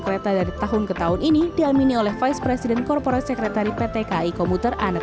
kreta dari tahun ke tahun ini diamini oleh vice president korporat sekretari pt kri komuter anak